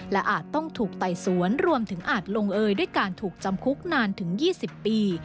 และอาจต้องถูกไต่สวนรวมถึงอาจลงเอยด้วยการถูกจำคุกนานถึง๒๐ปี